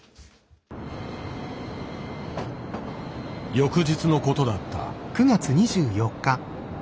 翌日のことだった。